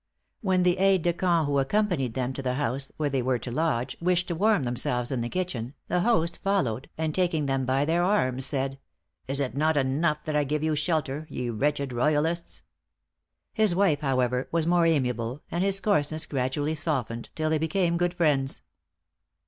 When the aids de camp who accompanied them to the house where they were to lodge, wished to warm themselves in the kitchen, the host followed, and taking them by their arms, said, "Is it not enough that I give you shelter, ye wretched royalists?" His wife, however, was more amiable; and his coarseness gradually softened, till they became good friends.